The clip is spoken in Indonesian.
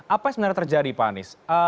apa yang sebenarnya terjadi pak anies